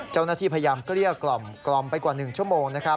เจ้าหน้าที่พยายามเกลี้ยกล่อมไปกว่า๑ชั่วโมง